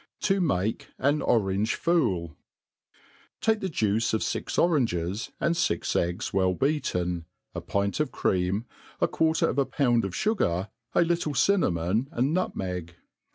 To make an Orange^FooU TAKE the juice of fix oranges, and fix eggs wdfl beaten^ * pint of cream, a quarter of a pound of fugar, a little cinna mon and nutmeg.